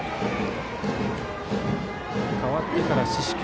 代わってから四死球